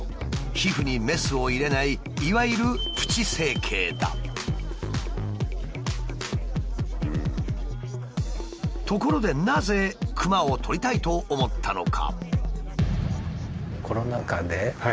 皮膚にメスを入れないいわゆるところでなぜクマを取りたいと思ったのか？